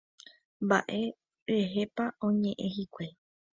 Mba'e rehépa oñe'ẽ hikuái.